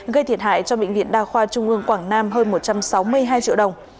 gây thiệt hại cho bệnh viện đa khoa trung ương quảng nam hơn một trăm sáu mươi hai triệu đồng